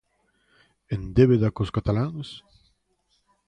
En débeda cos cataláns?